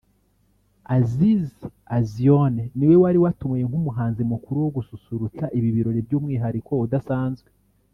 Aziz Azion ni we wari watumiwe nk’umuhanzi mukuru wo gususurutsa ibi birori by’umwihariko udasanzwe